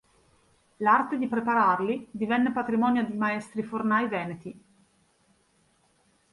L'arte di prepararli divenne patrimonio di maestri fornai veneti.